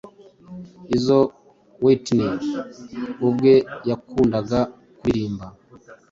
izo Whitney ubwe yakundaga kuririmba